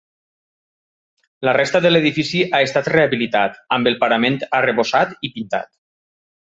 La resta de l'edifici ha estat rehabilitat, amb el parament arrebossat i pintat.